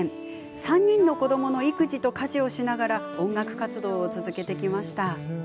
３人の子どもの育児と家事をしながら音楽活動を続けてきました。